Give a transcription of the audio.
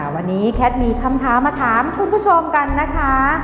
วันนี้แคทมีคำถามมาถามคุณผู้ชมกันนะคะ